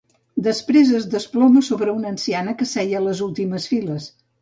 Després es desploma sobre una anciana que seia a les últimes files.